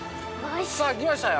さあ来ましたよ。